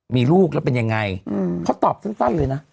มีลูกแล้วเป็นยังไงเขาตอบสั้นเลยนะ